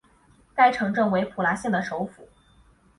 该城镇为普拉县的首府。